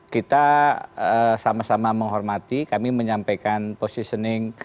kita sama sama menghormati kami menyampaikan positioning